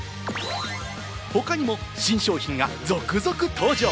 他にも新商品が続々登場！